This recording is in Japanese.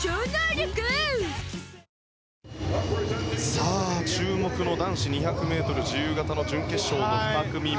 さあ、注目の男子２００ｍ自由形の準決勝の２組目。